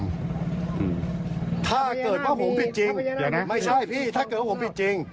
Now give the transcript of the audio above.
ถ้าเกิดว่าผมผิดจริงไม่ใช่พี่ถ้าเกิดว่าผมผิดจริง